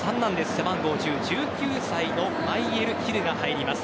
背番号１０１９歳のマイェル・ヒルが入ります。